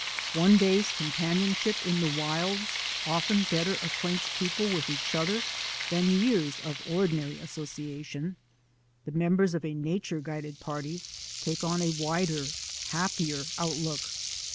One day's com panionship in the wilds often better^acquaints peo ple with each other than years of ordinary associa tion. The members of a nature guided party take on a wider, happier outlook.